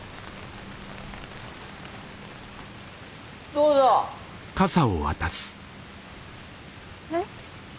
どうぞ。え？